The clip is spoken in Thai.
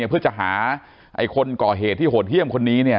เพื่อจะหาคนก่อเหตุที่โหดเยี่ยมคนนี้